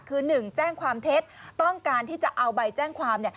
คือ๑แจ้งความเท็จต้องการที่จะเอาใบแจ้งความ